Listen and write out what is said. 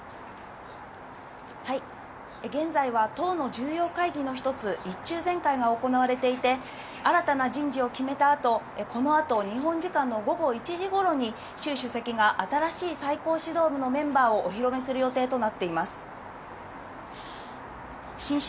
現在は党の重要会議の一つ、一中全会が行われていて、新たな人事を決めた後、日本時間の午後１時頃にはシュウ主席が正しい最高司令部のメンバーをお披露目する予定となっています。